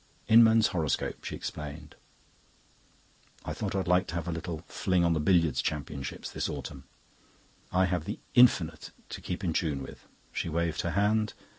"Inman's horoscope," she explained. "(I thought I'd like to have a little fling on the billiards championship this autumn.) I have the Infinite to keep in tune with," she waved her hand.